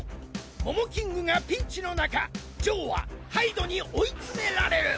モモキングがピンチのなかジョーはハイドに追いつめられる